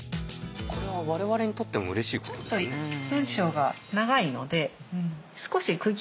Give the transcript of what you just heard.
これは我々にとってもうれしいことですね。